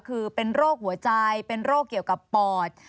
คือเป็นโรคหัวใจเป็นโรคเกี่ยวกับปอด